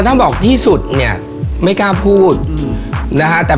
ตอนนี้จะ๕๐แล้วแกยังไม่เจอ